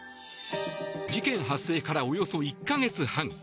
事件発生からおよそ１か月半。